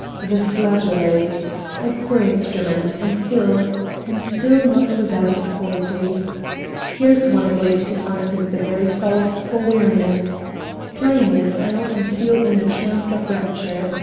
"The flageolet! a poor instrument, and still and still not without its qualities. Here's one at least who finds it the very salve for weariness. Playing it, I often feel in the trance of rapture.